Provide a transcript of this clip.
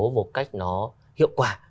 một cách nó hiệu quả